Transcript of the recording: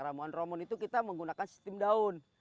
ramuan ramuan itu kita menggunakan sistem daun